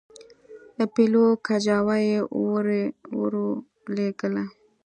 پیلو کجاوه یې ورولېږله.